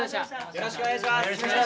よろしくお願いします。